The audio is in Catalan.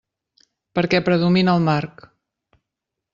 Perquè predomina el marc.